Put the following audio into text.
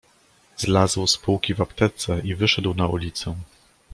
Zlazł z półki w aptece i wyszedł na ulicę.